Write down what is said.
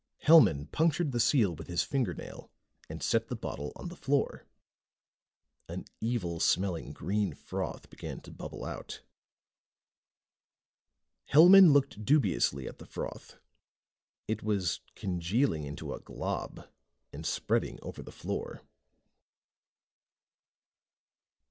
Hellman punctured the seal with his fingernail and set the bottle on the floor. An evil smelling green froth began to bubble out. Hellman looked dubiously at the froth. It was congealing into a glob and spreading over the floor.